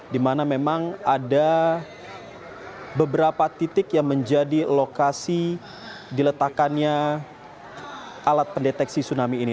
dimana memang ada beberapa titik yang menjadi lokasi diletakannya alat pendeteksi tsunami ini